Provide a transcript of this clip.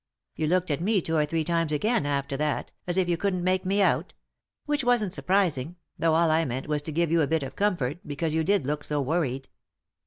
You looked at me two or three times again after that, as if you couldn't make me out — which wasn't surprising, though all I meant was to give you a bit of comfort, because you did look so worried."